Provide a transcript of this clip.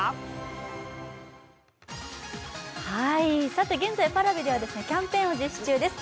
さて現在Ｐａｒａｖｉではキャンペーンを実施中です。